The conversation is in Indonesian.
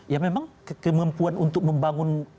ya memang kemampuan untuk membangun